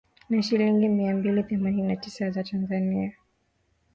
Na shilingi mia mbili themanini na tisa za Tanzania